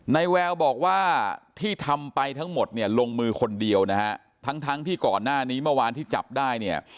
แววบอกว่าที่ทำไปทั้งหมดเนี่ยลงมือคนเดียวนะฮะทั้งทั้งที่ก่อนหน้านี้เมื่อวานที่จับได้เนี่ย